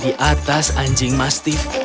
di atas anjing mastif